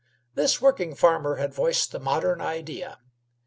This working farmer had voiced the modern idea.